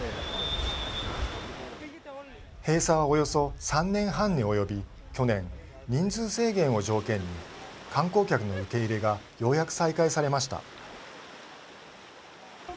閉鎖は、およそ３年半に及び去年人数制限を条件に観光客の受け入れがようやく再開されました。